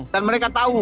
dan mereka tahu